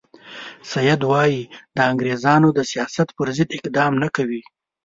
سید وایي د انګریزانو د سیاست پر ضد اقدام نه کوي.